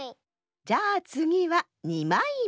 じゃあつぎは２まいめ。